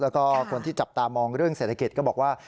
แล้วก็คนที่จับตามองเรื่องเศรษฐกิจก็บอกว่า